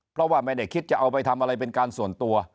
เพราะว่าไม่ได้คิดจะเอาไปทำอะไรเป็นการส่วนตัว